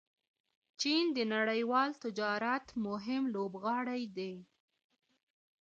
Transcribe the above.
چین د نړیوال تجارت مهم لوبغاړی دی.